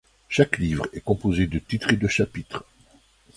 Chaque livre est composé de titres et de chapitres.